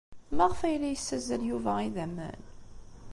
Maɣef ay la yessazzal Yuba idammen?